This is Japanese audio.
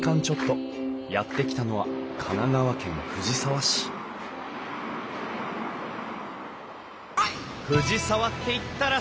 やって来たのは神奈川県藤沢市藤沢っていったら湘南！